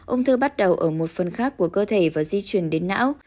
ung thư bắt đầu ở một phần khác của cơ thể và di chuyển đến não